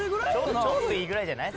ちょうどいいぐらいじゃない？